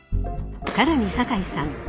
更に酒井さん